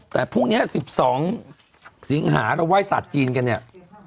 แต่พรุ่งนี้๑๒สิงหาเราไห้ศาสตร์จีนกันเนี่ย